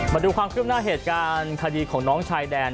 มาดูความขึ้นหน้าเหตุการณ์คดีของน้องชายแดน